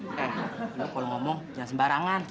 eh lo kalau ngomong jangan sembarangan